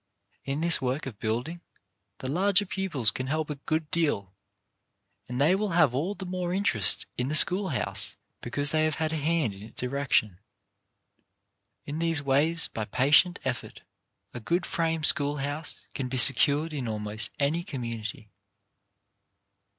In this work of building, the larger pupils can help a good deal, and they will have all the more interest in the school house because they have had a hand in its erection. In these ways, by patient effort, a good frame school house can be secured in almost any community.